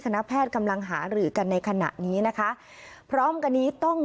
คณะแพทย์กำลังหารือกันในขณะนี้นะคะพร้อมกันนี้ต้อง